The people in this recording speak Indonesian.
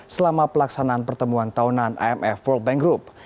selama pelaksanaan pertemuan tahunan imf world bank group